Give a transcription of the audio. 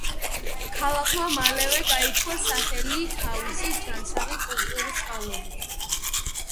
ქალაქმა მალევე გაითქვა სახელი თავის ჯანსაღი კულტურის წყალობით.